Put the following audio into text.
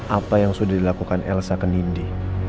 apa yang sudah dilakukan elsa ke nindi